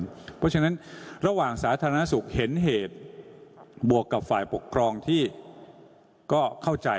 เพราะฉะนั้นระหว่างสาธารณสุขเห็นเหตุบวกกับฝ่ายปกครองที่ก็เข้าใจ